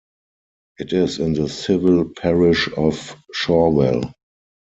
It is in the civil parish of Shorwell.